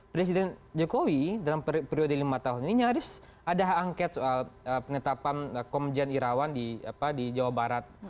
presiden jokowi dalam periode lima tahun ini nyaris ada hak angket soal penetapan komjen irawan di jawa barat